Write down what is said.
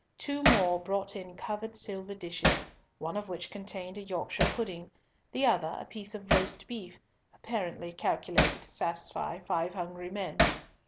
Two more brought in covered silver dishes, one of which contained a Yorkshire pudding, the other a piece of roast beef, apparently calculated to satisfy five hungry men.